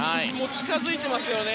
近づいていますよね。